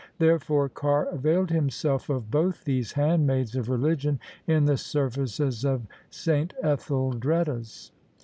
Therefore Carr availed himself of both these handmaids of religion in the services of S. Etheldreda's.